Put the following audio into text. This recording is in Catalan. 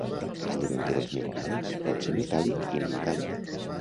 La lluentor dels minerals pot ser metàl·lic i no metàl·lic